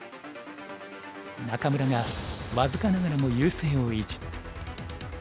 仲邑が僅かながらも優勢を維持。